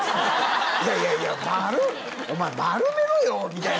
いやいやいや、お前、丸めろよみたいな。